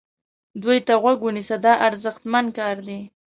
دوی ته غوږ ونیسه دا ارزښتمن کار دی.